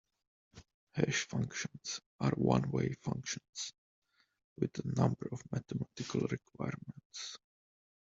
Hash functions are one-way functions with a number of mathematical requirements.